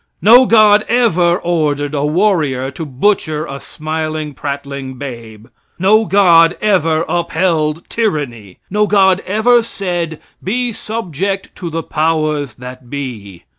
No god ever ordered a warrior to butcher a smiling, prattling babe. No god ever upheld tyranny. No god ever said, be subject to the powers that be.